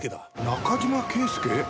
中島圭介？